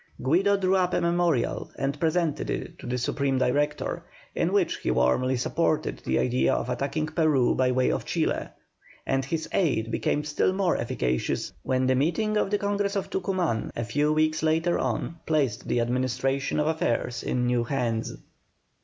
Guido drew up a memorial and presented it to the Supreme Director, in which he warmly supported the idea of attacking Peru by way of Chile; and his aid became still more efficacious when the meeting of the Congress of Tucuman, a few weeks later on, placed the administration of affairs in new hands.